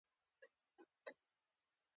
په خپلو جنګي هڅو او افغانستان کښې